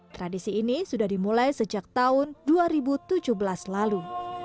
tradisi ini sudah dimulai sejak tahun dua ribu tujuh belas lalu